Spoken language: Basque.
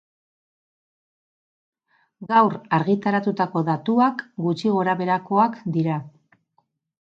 Gaur argitaratutako datuak gutxi gorabeherakoak dira.